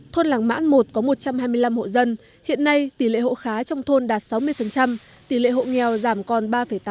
thôn làng mãn một có một trăm hai mươi năm hộ dân hiện nay tỷ lệ hộ khá trong thôn đạt sáu mươi tỷ lệ hộ nghèo giảm còn ba tám